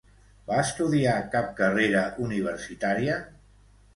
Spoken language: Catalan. Va estudiar cap carrera universitària?